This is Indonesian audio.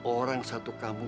orang satu kamu